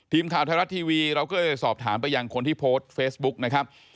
ทีมข่าวไทยรัฐทีวีเราก็เลยสอบถามไปยังคนที่โพสต์เฟซบุ๊กนะครับ